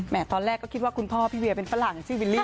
ตอนแรกก็คิดว่าคุณพ่อพี่เวียเป็นฝรั่งชื่อวิลลี่